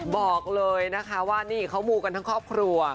บอกเลยนะคะว่านี่เขามูกันทั้งครอบครัว